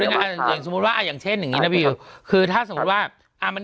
แล้วใช่ไหมครับสมมุติว่าอย่างเช่นคือถ้าสมมุติว่ามัน